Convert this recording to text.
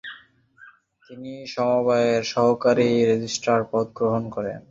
তিনি সমবায়ের সহকারী রেজিস্ট্রার পদ গ্রহণ করেন।